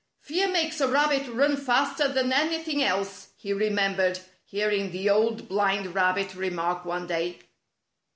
"Fear makes a rabbit run faster than any thing else," he remembered hearing the Old Blind Rabbit remark one day.